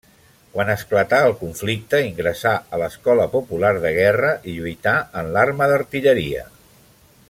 Quan esclatà el conflicte ingressà a l'Escola Popular de Guerra i lluità en l'arma d'artilleria.